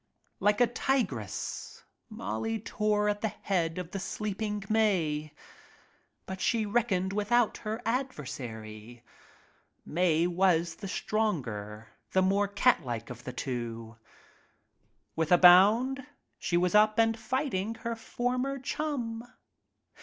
Like a tigress Molly tore at the head of the sleeping*Mae. But she reckoned without her ad versary. Mae was the stronger, the more cat like of the two. With a bound she was up and fighting her former chum.